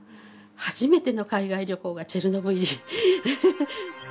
初めての海外旅行がチェルノブイリ。